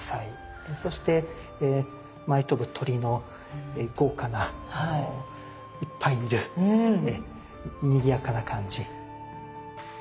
そして舞い飛ぶ鳥の豪華ないっぱいいるにぎやかな感じ。